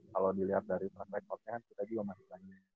kalau dilihat dari protek proteknya kita juga masih banyak